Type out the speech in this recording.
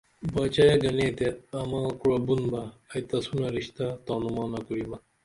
باچائے گنے تے اما کوعہ بُن بہ ائی تسونہ رشتہ تانومانہ کُریمہ